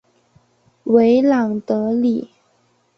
维朗德里。